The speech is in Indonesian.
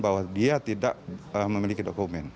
bahwa dia tidak memiliki dokumen